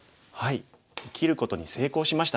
生きることに成功しました。